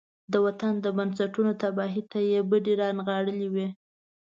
د وطن د بنسټونو تباهۍ ته يې بډې را نغاړلې وي.